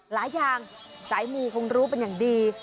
หลายอย่างสายมูคงรู้เป็นอย่างดี